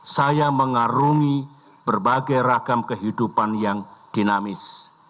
saya mengarungi berbagai ragam kehidupan yang dinamis